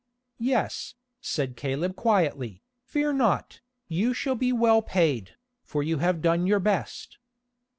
"Yes," said Caleb quietly, "fear not, you shall be well paid, for you have done your best."